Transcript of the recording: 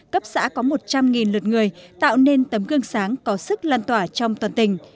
cấp xã có một trăm linh lượt người tạo nên tấm gương sáng có sức lan tỏa trong toàn tỉnh